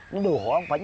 nó đùa hỏi một sự đồng bộ